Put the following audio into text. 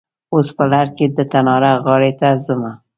اوس په لرګي د تناره غاړې ته ځمه.